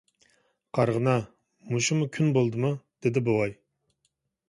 — قارىغىنا، مۇشۇمۇ كۈن بولدىمۇ؟ — دېدى بوۋاي.